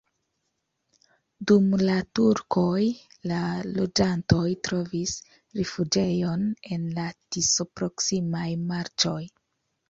Dum la turkoj la loĝantoj trovis rifuĝejon en la Tiso-proksimaj marĉoj.